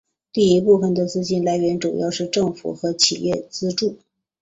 这一部分的资金来源主要是政府和企业资助。